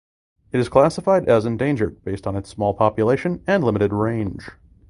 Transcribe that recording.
It is classified as endangered based on its small population and limited range.